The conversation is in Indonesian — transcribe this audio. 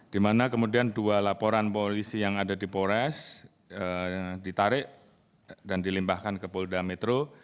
di mana kemudian dua laporan polisi yang ada di polres ditarik dan dilimpahkan ke polda metro